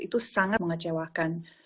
itu sangat mengecewakan